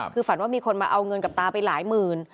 คือฝันว่ามีคนมาเอาเงินกับตาไปหลายหมื่น